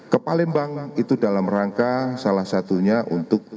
ke palembang itu dalam rangka salah satunya untuk